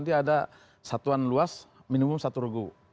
di dalam satu perusahaan itu ada satuan luas minimum satu regu